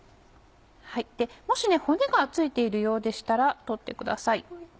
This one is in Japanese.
もし骨が付いているようでしたら取ってください。